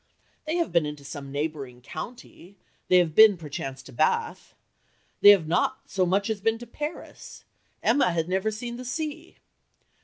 They have been into some neighbouring county, they have been perchance to Bath. They have not so much as been to Paris. Emma had never seen the sea.